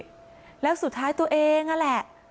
แล้วสุดท้ายตัวเองนั่นแหละ